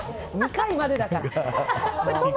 ２回までだから。